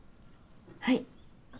はい。